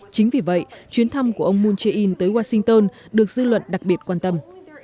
chính vì vậy chuyến thăm của ông moon jae in tới washington được dư luận đặc biệt quan tâm